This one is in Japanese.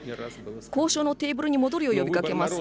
交渉のテーブルに戻るよう呼びかけます。